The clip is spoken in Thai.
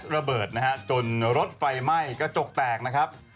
รถไฟไหม้กระจกแตกนะครับ